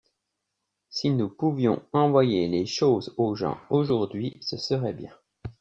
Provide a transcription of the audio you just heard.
si nous pouvions envoyer les choses aux gens aujourd'hui ce serait bien.